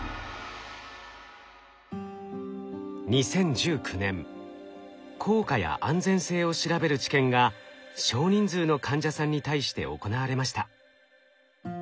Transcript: ２０１９年効果や安全性を調べる治験が少人数の患者さんに対して行われました。